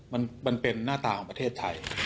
มันเป็นหน้าตาของประเทศไทย